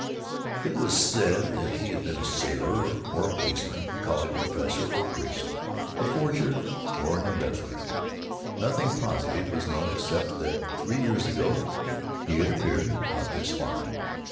It was said that he had been a sailor or a policeman, a college professor or a priest, a forger or an embezzler. Nothing positive was known except that three years ago he had appeared and bought this farm.